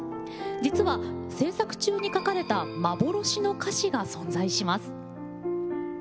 実は、制作中に書かれた幻の歌詞が存在します。